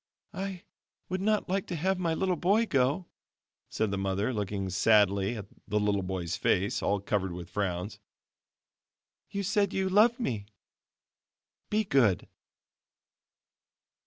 "I would not like to have my little boy go," said the mother, looking sadly at the little boy's face, all covered with frowns; "you said you loved me be good."